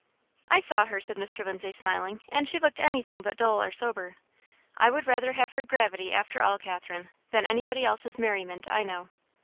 "I saw her," said Mr. Lindsay, smiling; "and she looked anything but dull or sober. I would rather have her gravity, after all, Catherine, than anybody else's merriment I know."